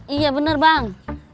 iya bener bang